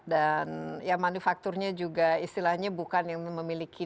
dan ya manufakturnya juga istilahnya bukan yang memiliki